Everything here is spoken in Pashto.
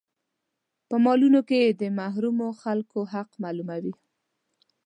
په مالونو کې يې د محرومو خلکو حق معلوم وي.